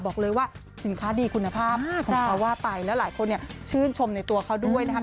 บอกเลยว่าสินค้าดีคุณภาพของเขาว่าไปแล้วหลายคนเนี่ยชื่นชมในตัวเขาด้วยนะครับ